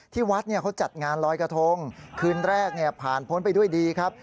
ที่วัดเขาจัดงานลอยกระทงคืนแรกผ่านพ้นไปด้วยดีครับ